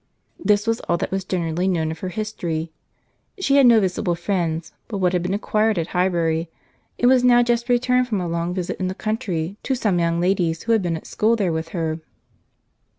This was all that was generally known of her history. She had no visible friends but what had been acquired at Highbury, and was now just returned from a long visit in the country to some young ladies who had been at school there with her.